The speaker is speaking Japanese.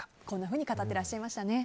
こんなふうに語っていらっしゃいました。